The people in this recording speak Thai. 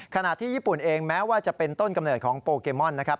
ขณะที่ญี่ปุ่นเองแม้ว่าจะเป็นต้นกำเนิดของโปเกมอนนะครับ